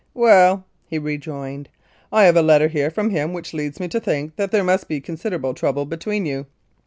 "Well," he rejoined, "I have here a letter from him which leads me to think that there must be considerable trouble between you."